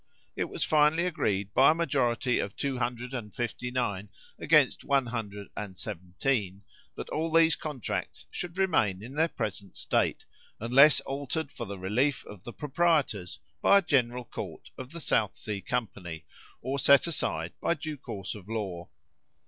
It was finally agreed, by a majority of 259 against 117, that all these contracts should remain in their present state, unless altered for the relief of the proprietors by a general court of the South Sea company, or set aside by due course of law.